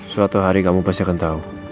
suatu hari kamu pasti akan tahu